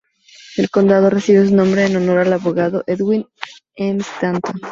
El condado recibe su nombre en honor al abogado Edwin M. Stanton.